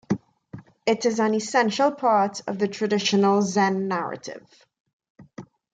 It is an essential part of the Traditional Zen Narrative.